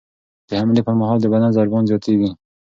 د حملې پر مهال د بدن ضربان زیاتېږي.